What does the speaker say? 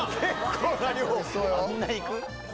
あんないく？